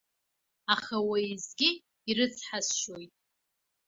Аха уеизгьы ирыцҳасшьоит.